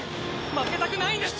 負けたくないんです！